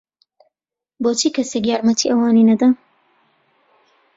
بۆچی کەسێک یارمەتیی ئەوانی نەدا؟